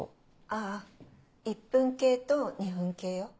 あぁ１分計と２分計よ。